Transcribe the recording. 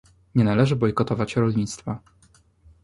Nie należy bojkotować rolnictwa